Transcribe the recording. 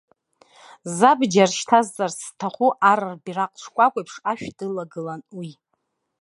Забџьар шьҭазҵарц зҭаху ар рбираҟ шкәакәеиԥш, ашә дылагылан уи.